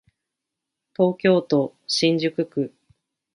東京都新宿区